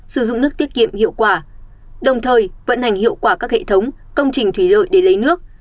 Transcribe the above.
sử dụng nước tiết kiệm hiệu quả đồng thời vận hành hiệu quả các hệ thống công trình thủy lợi để lấy nước